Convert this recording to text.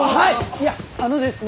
いやあのですね